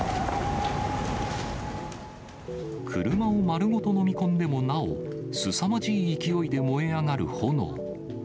車を丸ごと飲み込んでもなお、すさまじい勢いで燃え上がる炎。